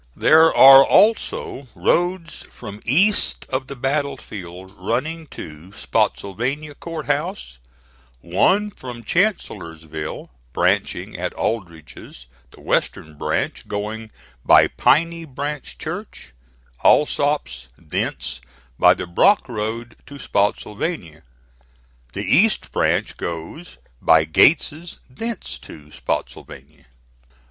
There are also roads from east of the battle field running to Spottsylvania Court House, one from Chancellorsville, branching at Aldrich's; the western branch going by Piney Branch Church, Alsop's, thence by the Brock Road to Spottsylvania; the east branch goes by Gates's, thence to Spottsylvania.